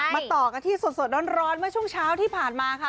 ต่อกันที่สดร้อนเมื่อช่วงเช้าที่ผ่านมาค่ะ